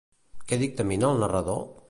Què dictamina el narrador?